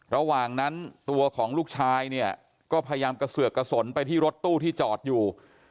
ระหว่างนั้นตัวของลูกชายเนี่ยก็พยายามกระเสือกกระสนไปที่รถตู้ที่จอดอยู่